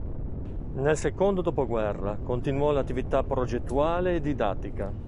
Nel secondo dopoguerra continuò l'attività progettuale e didattica.